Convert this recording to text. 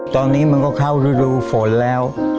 ตอนนี้มันก็เข้ารูดูฝนแล้ว